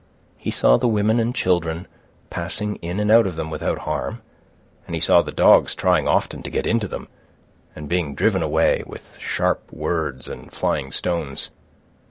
He saw the women and children passing in and out of them without harm, and he saw the dogs trying often to get into them, and being driven away with sharp words and flying stones.